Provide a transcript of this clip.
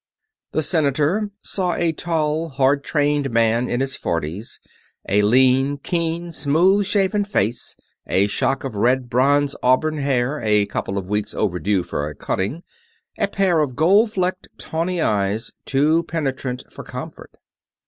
The senator saw a tall, hard trained man in his forties; a lean, keen, smooth shaven face; a shock of red bronze auburn hair a couple of weeks overdue for a cutting; a pair of gold flecked tawny eyes too penetrant for comfort.